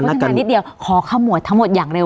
เพราะท่านนิดเดียวขอเข้าหมวดทั้งหมดอย่างเร็ว